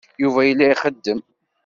Yuba yella ixeddem.